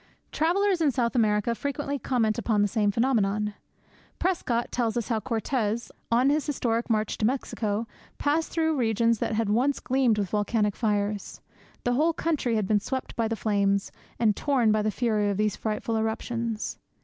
Travellers in South America frequently comment upon the same phenomenon. Prescott tells us how Cortes, on his historic march to Mexico, passed through regions that had once gleamed with volcanic fires. The whole country had been swept by the flames, and torn by the fury of these frightful eruptions.